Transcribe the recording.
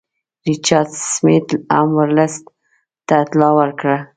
ریچارډ سمیت هم ورلسټ ته اطلاع ورکړه.